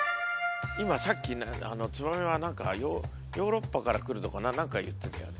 今さっきツバメは何かヨーロッパから来るとか何か言ってたよね？